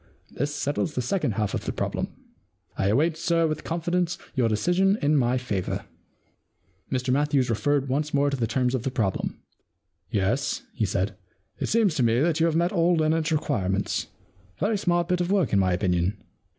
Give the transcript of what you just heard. This settles the second half of the problem. I await, sir, with confidence, your decision in my favour.* Mr Matthews referred once more to the terms of the problem. * Yes,* he said, * it seems to me that you have met all Leonardos requirements. Very smart bit of work, in my opinion.